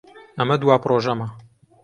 ئەمە دوا پرۆژەمە.